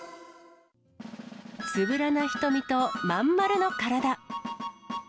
つぶらな瞳と真ん丸な体。